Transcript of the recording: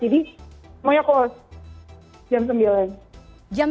jadi semuanya close jam sembilan